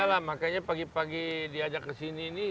ya lah makanya pagi pagi diajak kesini ini